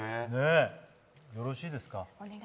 よろしいですか？